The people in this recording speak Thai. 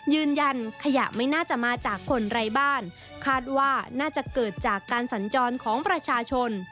ยืนยันขยะไม่น่าจะมาจากคนไร้บ้านคาดว่าน่าจะเกิดจากการสัญจรของประชาชน